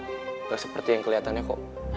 tidak seperti yang kelihatannya kok